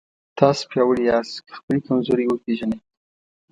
تاسو پیاوړي یاست که خپلې کمزورۍ وپېژنئ.